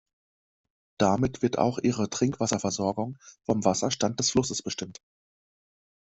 Damit wird auch ihre Trinkwasserversorgung vom Wasserstand des Flusses bestimmt.